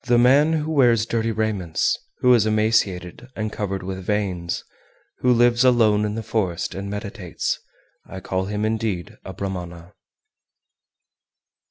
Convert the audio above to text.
395. The man who wears dirty raiments, who is emaciated and covered with veins, who lives alone in the forest, and meditates, him I call indeed a Brahmana.